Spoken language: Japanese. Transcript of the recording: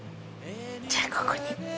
じゃあここに。